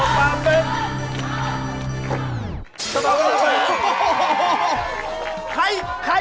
ไบร์ละ๑บึน